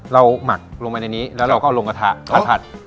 หมักลงไปในนี้แล้วเราก็เอาลงกระทะมาผัด